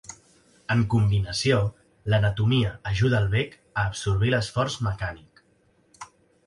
En combinació, l'anatomia ajuda el bec a absorbir l'esforç mecànic.